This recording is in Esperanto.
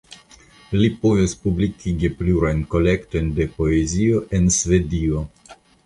Li povis publikigi plurajn kolektojn de poezio en Svedio.